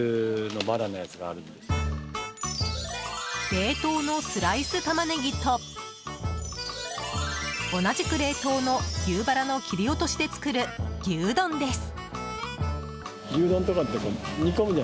冷凍のスライスたまねぎと同じく、冷凍の牛バラの切り落としで作る牛丼です。